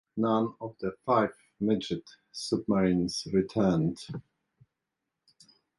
None of the five midget submarines returned.